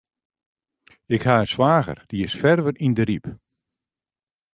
Ik ha in swager, dy is ferver yn de Ryp.